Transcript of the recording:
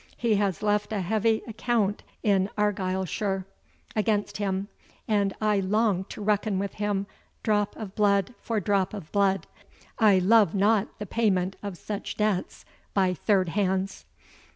He has left a heavy account in Argyleshire against him, and I long to reckon with him drop of blood for drop of blood. I love not the payment of such debts by third hands."